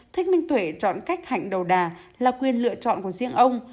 thích minh tuệ chọn cách hạnh đầu đà là quyền lựa chọn của riêng ông